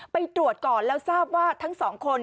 ไปตรวจก่อนแล้วทราบว่าทั้งสองคน